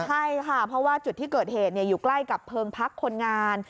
ใช่ค่ะเพราะว่าจุดที่เกิดเหตุอยู่ใกล้กับเพิงพักคนงาน